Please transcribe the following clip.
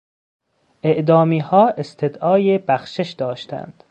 اعدامیها استدعای بخشش داشتند.